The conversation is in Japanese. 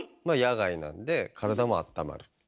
まあ野外なんで体もあったまる。